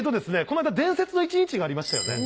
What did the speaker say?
この間「伝説の一日」がありましたよね